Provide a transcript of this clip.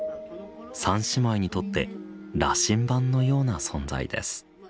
三姉妹にとって羅針盤のような存在です。